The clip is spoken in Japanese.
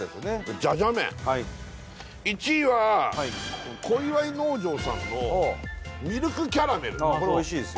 じゃじゃ麺１位は小岩井農場さんのミルクキャラメルこれおいしいですよ